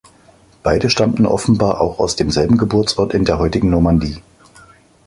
Beide stammten offenbar auch aus demselben Geburtsort in der heutigen Normandie.